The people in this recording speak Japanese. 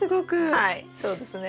はいそうですね。